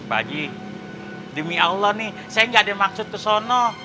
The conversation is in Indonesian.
bagi demi allah nih saya gak ada maksud ke sana